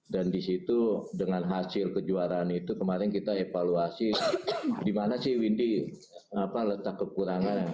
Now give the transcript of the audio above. dan disitu dengan hasil kejuaraan itu kemarin kita evaluasi dimana sih windy apa letak kekurangan